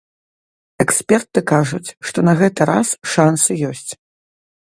Эксперты кажуць, што на гэты раз шансы ёсць.